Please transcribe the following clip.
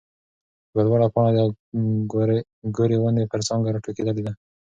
يوه لوړه پاڼه د ګورې ونې پر څانګه راټوکېدلې ده.